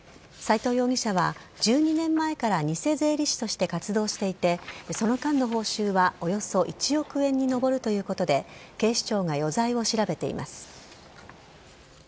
斉藤容疑者は、１２年前から偽税理士として活動していてその間の報酬はおよそ１億円に上るということで警視庁が余罪を調べています。